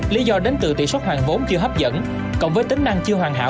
lý do đến từ tỷ suất hoàn vốn chưa hấp dẫn cộng với tính năng chưa hoàn hảo